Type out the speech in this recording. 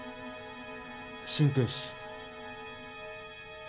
心停止。